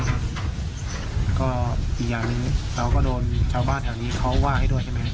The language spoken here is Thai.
ก็อีกอย่างหนึ่งเราก็โดนชาวบ้านแถวนี้เขาว่าให้ด้วยใช่ไหมครับ